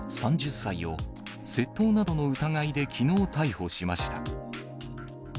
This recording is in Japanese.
３０歳を、窃盗などの疑いで、きのう逮捕しました。